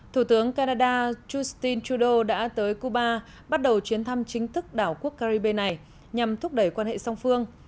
thủ tướng canada justin trudeau đã tới cuba bắt đầu chuyến thăm chính thức đảo quốc caribe này nhằm thúc đẩy quan hệ song phương